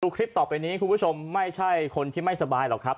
คลิปต่อไปนี้คุณผู้ชมไม่ใช่คนที่ไม่สบายหรอกครับ